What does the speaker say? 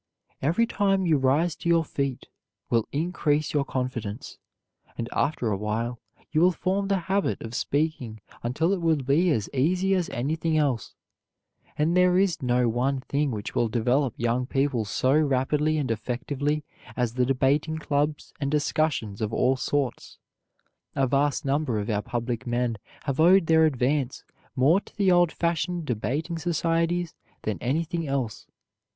Every time you rise to your feet will increase your confidence, and after awhile you will form the habit of speaking until it will be as easy as anything else, and there is no one thing which will develop young people so rapidly and effectively as the debating clubs and discussions of all sorts. A vast number of our public men have owed their advance more to the old fashioned debating societies than anything else.